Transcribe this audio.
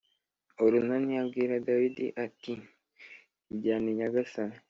Orunani abwira dawidi ati yijyane nyagasani